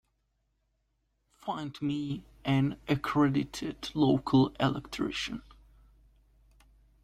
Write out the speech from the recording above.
Find me an accredited local electrician.